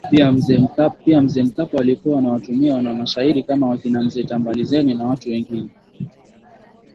Pia Mzee Mkapa walikuwa wanawatumia wanamashairi kama wakina Mzee Tambalizeni na watu wengine